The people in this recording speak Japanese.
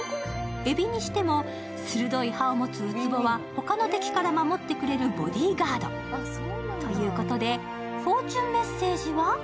エビにしても、鋭い歯を持つウツボは他の敵から守ってくるボディーガードということでフォーチュンメッセージは？